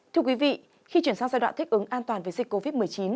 thưa quý vị khi chuyển sang giai đoạn thích ứng an toàn với dịch covid một mươi chín